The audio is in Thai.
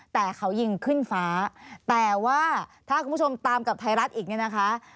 แต่เขายิงขึ้นฟ้าแต่ว่าถ้าคุณผู้ชมตามกับไทยรัฐอีกเนี่ยนะคะ